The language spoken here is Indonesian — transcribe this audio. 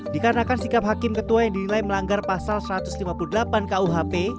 dikarenakan sikap hakim ketua yang dinilai melanggar pasal satu ratus lima puluh delapan kuhp